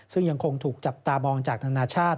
ซึ่งยังคงถูกจับตามองจากนานาชาติ